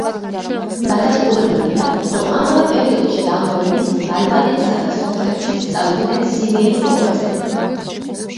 დადასტურებულია, რომ ამავე პერიოდში და ამავე მიზნით ალბანეთსა და სომხეთშიც წავიდნენ სირიელი მოღვაწენი.